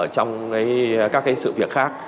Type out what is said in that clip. trong các sự việc khác